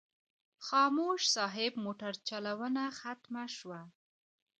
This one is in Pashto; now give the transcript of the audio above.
خاموش صاحب موټر چلونه ختمه شوه.